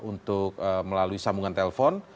untuk melalui sambungan telepon